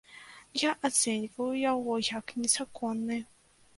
Я ацэньваю яго як незаконны.